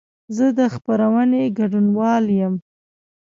زه د خپرونې ګډونوال یم.